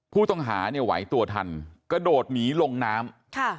ผู้ต้องหาเนี่ยไหวตัวทันกระโดดหนีลงน้ำ